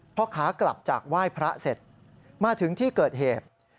พ่อค้ากลับจากไหว้พระเสร็จมาถึงที่เกิดเหตุ